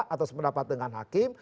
atau sependapat dengan hakim